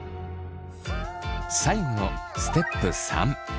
最後のステップ３。